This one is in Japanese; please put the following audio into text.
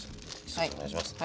先生お願いします。